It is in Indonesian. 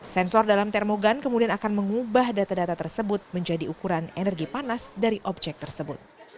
sensor dalam termogan kemudian akan mengubah data data tersebut menjadi ukuran energi panas dari objek tersebut